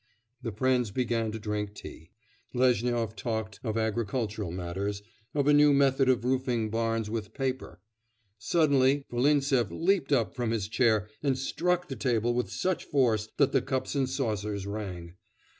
The friends began to drink tea. Lezhnyov talked of agricultural matters, of a new method of roofing barns with paper.... Suddenly Volintsev leaped up from his chair and struck the table with such force that the cups and saucers rang.